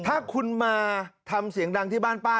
ถ้าคุณมาทำเสียงดังที่บ้านป้า